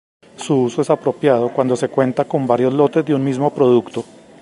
Su uso es apropiado cuando se cuenta con varios lotes de un mismo producto.